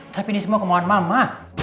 tapi ini semua kemauan mama